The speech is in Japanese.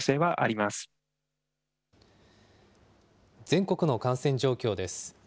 全国の感染状況です。